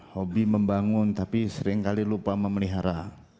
hobi membangun tapi seringkali lupa memelihara